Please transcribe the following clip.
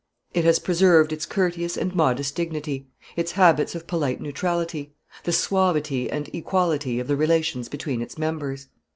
It has preserved its courteous and modest dignity, its habits of polite neutrality, the suavity and equality of the relations between its members.